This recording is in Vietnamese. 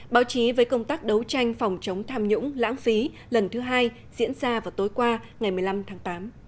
báo chí với công tác đấu tranh phòng chống tham nhũng lãng phí lần thứ hai diễn ra vào tối qua ngày một mươi năm tháng tám